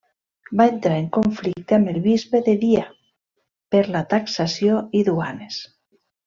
Va entrar en conflicte amb el bisbe de Dia per la taxació i duanes.